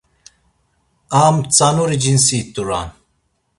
A Mtzanuri cinsi it̆uran…